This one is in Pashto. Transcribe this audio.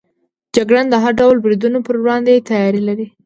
جګړن د هر ډول بریدونو پر وړاندې تیاری لري.